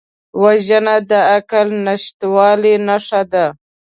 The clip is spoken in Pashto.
وژنه د عقل نشتوالي نښه ده